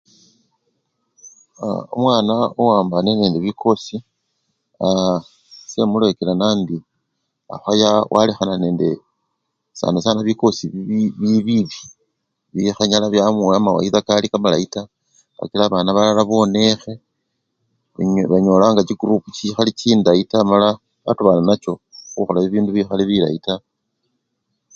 Aaa omwana owambane nende bikosi, aaa esee mulekela nandi akhoya welekhane nende sanasana bikosi bi biibi bikhanyala byamuwa kamawayida kali kamalyi taa kakila babana balala bonekhe, banyolanga chikurupu chikhali chindayi mala batubana nenacho khukhola bibindu bikhali bilayi taa